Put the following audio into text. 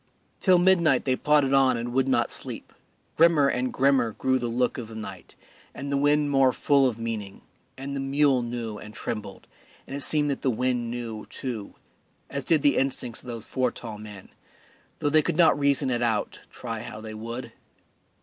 Till midnight they plodded on and would not sleep; grimmer and grimmer grew the look of the night, and the wind more full of meaning, and the mule knew and trembled, and it seemed that the wind knew, too, as did the instincts of those four tall men, though they could not reason it out, try how they would.